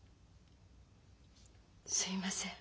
すみません。